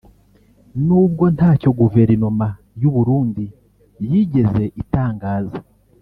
n’ubwo ntacyo guverinoma y’u Burundi yigeze itangaza